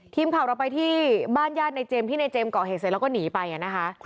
ทีมข่าวเราไปที่บ้านญาติในเจมส์ที่ในเจมส์ก่อเหตุเสร็จแล้วก็หนีไปนะคะ